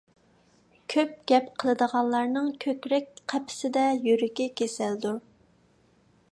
كۆپ گەپ قىلىدىغانلارنىڭ كۆكرەك قەپىسىدە يۈرىكى كېسەلدۇر.